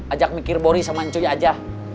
ajak mikir bori sama ncuy aja